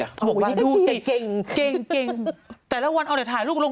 วันก็นี่เขาชอบถ่ายรูปลง